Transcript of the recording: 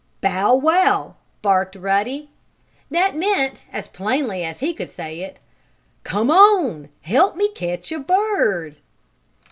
"Bow wow!" barked Ruddy. That meant, as plainly as he could say it: "Come on! Help me catch a bird!"